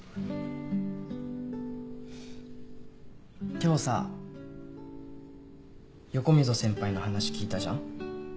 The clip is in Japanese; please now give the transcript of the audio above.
今日さ横溝先輩の話聞いたじゃん？